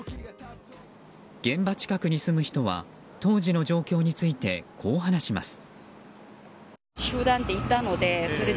現場近くに住む人は当時の状況についてこう話します。